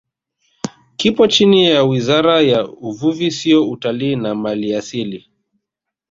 Kipo chini ya Wizara ya Uvuvi Sio Utalii na Maliasili